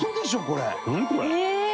これ。